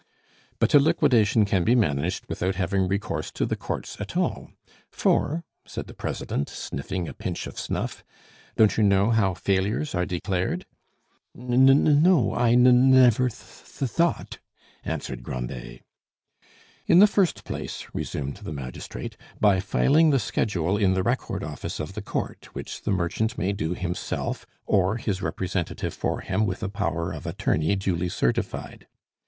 "But a liquidation can be managed without having recourse to the courts at all. For," said the president, sniffing a pinch of snuff, "don't you know how failures are declared?" "N n no, I n n never t t thought," answered Grandet. "In the first place," resumed the magistrate, "by filing the schedule in the record office of the court, which the merchant may do himself, or his representative for him with a power of attorney duly certified.